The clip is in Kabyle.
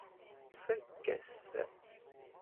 Tfakk-as-t.